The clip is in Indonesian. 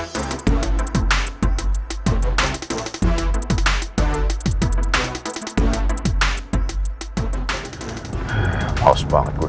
sampai jumpa lagi